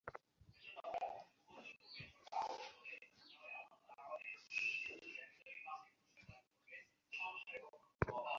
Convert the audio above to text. বলিয়া নিতান্ত আগ্রহের সহিত বসন্ত রায় সুরমার কাছে গিয়া বসিলেন।